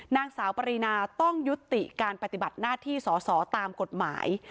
นางสาวปรินาต้องยุติการปฏิบัติหน้าที่สอสอตามกฎหมาย